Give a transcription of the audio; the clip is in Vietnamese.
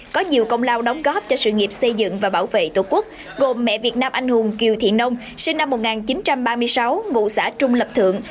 có nhiều công lao đóng góp cho sự nghiệp xây dựng và bảo vệ tổ quốc gồm mẹ việt nam anh hùng kiều thị nông sinh năm một nghìn chín trăm ba mươi sáu ngụ xã trung lập thượng